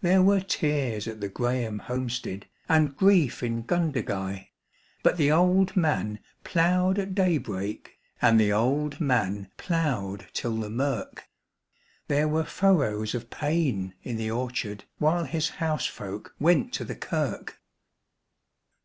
There were tears at the Grahame homestead and grief in Gundagai; But the old man ploughed at daybreak and the old man ploughed till the mirk There were furrows of pain in the orchard while his housefolk went to the kirk.